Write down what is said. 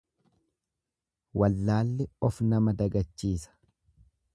Wallaalli of nama dagachiisa.